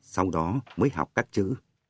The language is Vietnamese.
sau đó mới học các chữ